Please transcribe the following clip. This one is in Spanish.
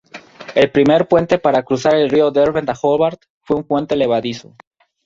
El primer puente para cruzar el río Derwent a Hobart fue un puente levadizo.